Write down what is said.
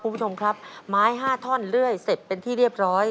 คุณผู้ชมครับไม้๕ท่อนเลื่อยเสร็จเป็นที่เรียบร้อย